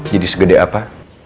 jadi segede apa